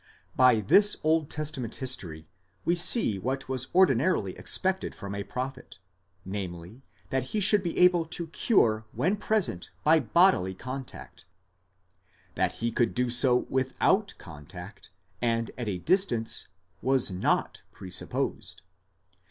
By this Old Testament history we sée what was ordinarily expected from a prophet, namely, that he should be able to cure when present by bodily contact ; that he could do so without contact, and. at a distance, was not presupposed.